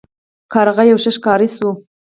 کارغه یو ښه ښکاري شو.